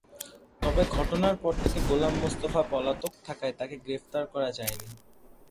তবে ঘটনার পর থেকে গোলাম মোস্তফা পলাতক থাকায় তাকে গ্রেপ্তার করা যায়নি।